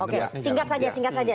oke singkat saja singkat saja